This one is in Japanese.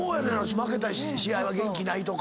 負けた試合は元気ないとか。